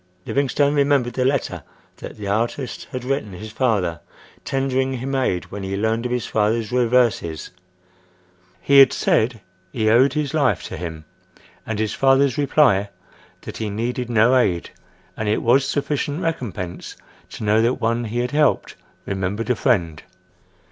— Livingstone remembered the letter that the artist had written his father, tendering him aid when he learned of his father's reverses—he had said he owed his life to him—and his father's reply, that he needed no aid, and it was sufficient recompense to know that one he had helped remembered a friend.